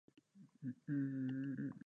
音もしなければ、液晶に何かが写ることもなかった